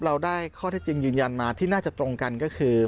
เราได้ข้อเท็จจริงยืนยันมาที่น่าจะตรงกันก็คือ